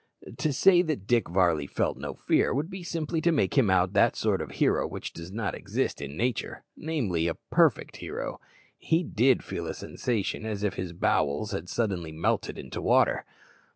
To say that Dick Varley felt no fear would be simply to make him out that sort of hero which does not exist in nature namely, a perfect hero. He did feel a sensation as if his bowels had suddenly melted into water!